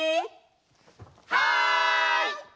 はい！